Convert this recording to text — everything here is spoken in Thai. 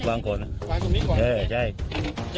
แต่ว่าก่อนที่จะออกมาเนี้ยมันล็อกหอข้างในใช่ไหมครับ